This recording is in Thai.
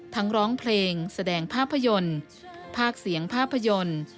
ร้องเพลงแสดงภาพยนตร์ภาคเสียงภาพยนตร์